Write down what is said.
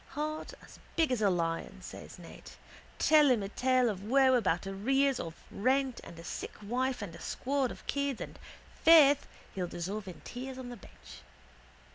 —Heart as big as a lion, says Ned. Tell him a tale of woe about arrears of rent and a sick wife and a squad of kids and, faith, he'll dissolve in tears on the bench.